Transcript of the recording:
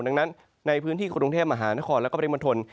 ดังนั้นในพื้นที่กรุงเทพมหานครและปริมณฑล